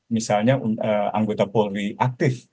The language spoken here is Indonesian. misalnya anggota polri aktif